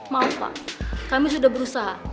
maaf pak kami sudah berusaha